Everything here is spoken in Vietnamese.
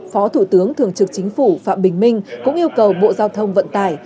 phó thủ tướng thường trực chính phủ phạm bình minh cũng yêu cầu bộ giao thông vận tải